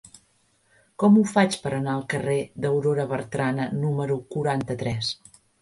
Com ho faig per anar al carrer d'Aurora Bertrana número quaranta-tres?